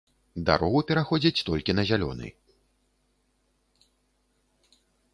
Дарогу пераходзяць толькі на зялёны.